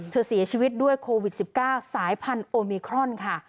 เสียชีวิตด้วยโควิด๑๙สายพันธุมิครอนค่ะ